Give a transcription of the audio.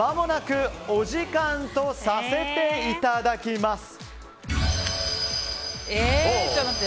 お時間とさせていただきます。